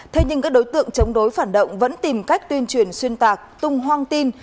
thế nhưng các đối tượng chống đối phản động vẫn tìm cách tuyên truyền xuyên tạc tung hoang tin